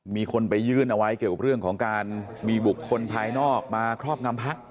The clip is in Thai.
มีคนไปยื่นเอาไว้เกี่ยวกับเรื่องของการมีบุคคลภายนอกมาครอบงำพัก